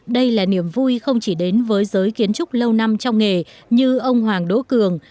đây là niềm vui không chỉ đến với giới kiến trúc lâu năm trong nghề như ông hoàng đỗ cường